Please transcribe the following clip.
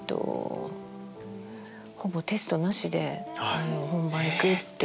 ほぼテストなしで本番行くっていう。